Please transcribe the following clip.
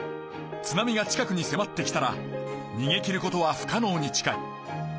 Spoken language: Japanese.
津波が近くにせまってきたらにげきる事は不かのうに近い。